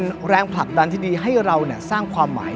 สนุนโดยสถาบันความงามโย